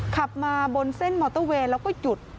ขับมาบนเส้นมอเตอร์เวย์แล้วก็หยุด